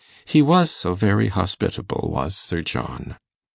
He was so very hospitable, was Sir John.